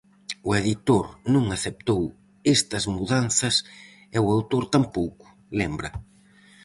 "O editor non aceptou estas mudanzas e o autor tampouco", lembra.